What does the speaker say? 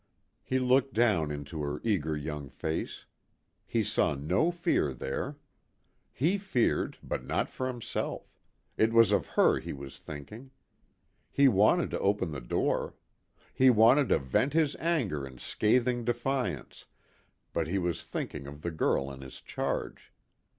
He looked down into her eager young face. He saw no fear there. He feared, but not for himself: it was of her he was thinking. He wanted to open the door. He wanted to vent his anger in scathing defiance, but he was thinking of the girl in his charge.